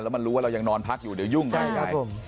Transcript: แล้วมันรู้ว่าเรายังนอนพักอยู่เดี๋ยวยุ่งได้ได้ครับผม